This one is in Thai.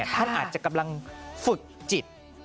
ท่านอาจจะกำลังฝึกจิต